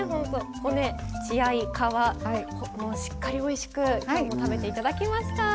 骨、血合い、皮しっかりおいしく食べていただきました。